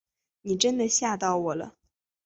你真的吓到我了